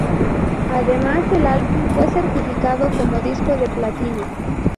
Además, el álbum fue certificado como disco de platino.